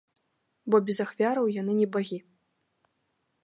Бо без ахвяраў яны не багі.